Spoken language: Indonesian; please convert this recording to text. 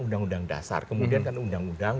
undang undang dasar kemudian kan undang undang